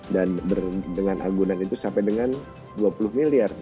dan dengan anggunan itu sampai dengan dua puluh miliar